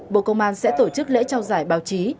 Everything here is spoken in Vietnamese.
bộ công an sẽ tổ chức lễ trao giải báo chí